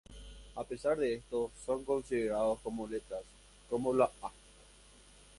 A pesar de esto, son considerados como letras, como la å.